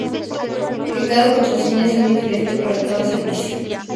que cada contraseña sea diferente para cada servicio